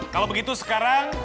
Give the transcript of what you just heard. kalau begitu sekarang